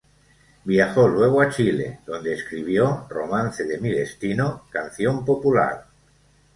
Viajó luego a Chile, donde escribió "Romance de mi destino", canción popular.